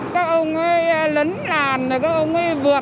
các ông ấy lấn làn các ông ấy vượt